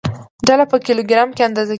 ډله په کیلوګرام کې اندازه کېږي.